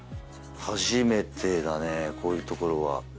初めてだねこういう所は。